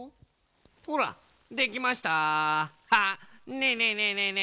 ねえねえねえねえ